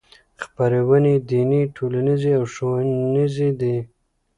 خپرونې یې دیني ټولنیزې او ښوونیزې دي.